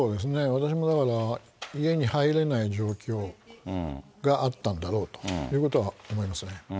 私もだから、家に入れない状況があったんだろうということは思いますね。